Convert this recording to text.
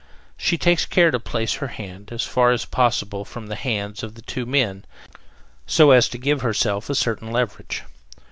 She takes care to place her hand as far as possible from the hands of the two men, so as to give herself a certain leverage.